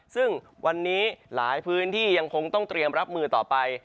ซึ่งวันนี้หลายพื้นที่ยังคงต้องเตรียมรับมือต่อไป